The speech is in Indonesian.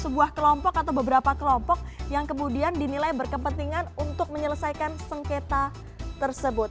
sebuah kelompok atau beberapa kelompok yang kemudian dinilai berkepentingan untuk menyelesaikan sengketa tersebut